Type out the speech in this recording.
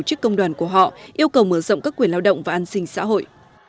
chức công đoàn của họ yêu cầu mở rộng các quyền lao động và an sinh xã hội